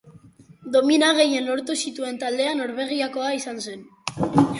Domina gehien lortu zituen taldea Norvegiakoa izan zen.